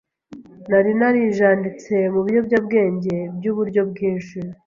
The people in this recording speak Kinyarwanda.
Nari narijanditse mu biyobyabwenge by’uburyo bwinshi,